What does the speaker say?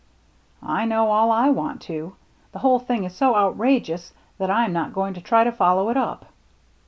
" I know all I want to. The whole thing is so outrageous that I am not going to try to follow it up."